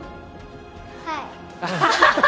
はい。